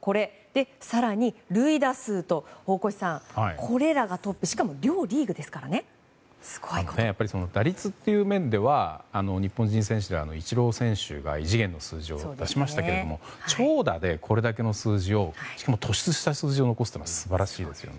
更に、塁打数と大越さん、これらがトップ打率という面では日本人選手ではイチロー選手が異次元の数字を出しましたが長打でこれだけの数字をしかも突出した数字を残すのは素晴らしいですね。